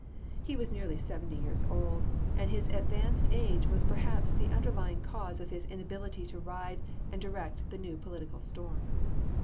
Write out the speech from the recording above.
He was nearly seventy years old ; and his advanced age was perhaps the underlying cause of his inability to ride and direct the new political storm.